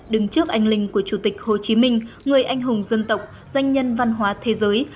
đứng trước anh linh của chủ tịch hồ chí minh người anh hùng dân tộc danh nhân văn hóa thế giới